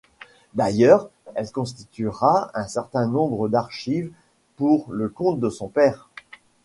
D'ailleurs, elle constituera un certain nombre d'archives pour le compte de son père.